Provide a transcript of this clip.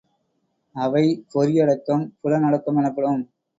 அவை பொறி அடக்கம் புலன் அடக்கம் எனப்படும்.